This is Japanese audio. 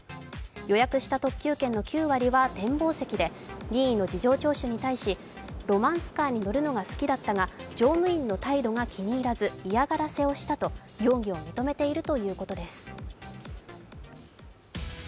予約した特急券の９割は展望席で任意の事情聴取に対しロマンスカーに乗るのが好きだったが乗務員の態度が気に入らず嫌がらせをしたと容疑を認めているということです。